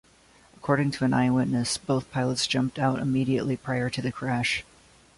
According to an eyewitness, both pilots jumped out immediately prior to the crash.